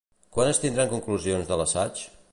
Quan es tindran conclusions de l'assaig?